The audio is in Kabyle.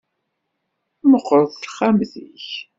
Meqqret texxamt-ik.